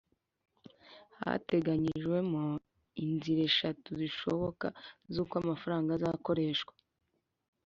hateganyijwemo inzira eshatu zishoboka z'uko amafaranga azakoreshwa